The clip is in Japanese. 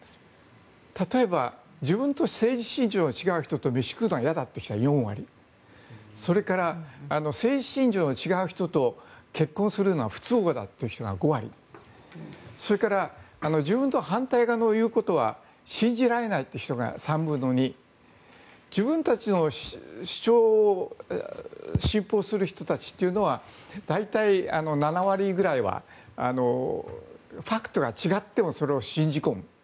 韓国の社会どういう社会かというと例えば自分と政治信条と違う人と飯を食うのは嫌だという人は４割それから政治信条の違う人と結婚するのは不都合だという人が５割それから自分と反対側の言うことは信じられないという人が３分の２自分たちの主張を信奉する人たちというのは大体、７割くらいはファクトが違ってもそれを信じ込む。